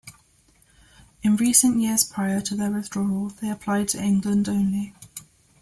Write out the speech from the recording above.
In recent years prior to their withdrawal they applied to England only.